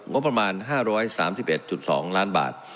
งบประมาณ๕๓๑๒ล้านบาท